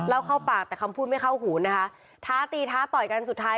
เข้าปากแต่คำพูดไม่เข้าหูนะคะท้าตีท้าต่อยกันสุดท้าย